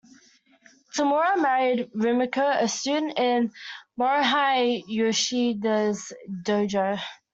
Tamura married Rumiko, a student in Morihei Ueshiba's dojo.